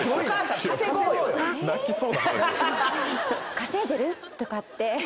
「稼いでる？」とかって。